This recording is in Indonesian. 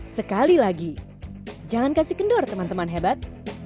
sekali lagi jangan kasih kendor teman teman hebat